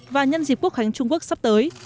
và nhân dịp quốc hành trung quốc sắp tới